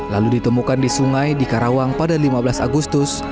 lalu ditemukan di sungai di karawang pada lima belas agustus